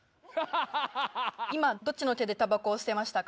今、どっちの手でたばこを捨てましたか。